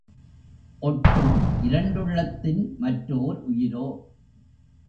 ஒட்டும் இரண்டுள்ளத்தின் மற்றோர் உயிரோ!